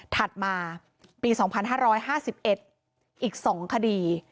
ถัดมาปี๒๕๕๑อีก๒คดี